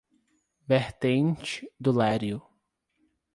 Vertente do Lério